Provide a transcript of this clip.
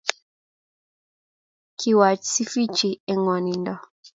Kiwach Sifichi eng ngwonindo